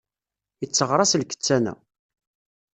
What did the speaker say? Itteɣraṣ lkettan-a.